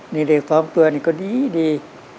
นี่เด็ก๒ตัวนี่ก็ดี